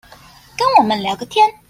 跟我們聊個天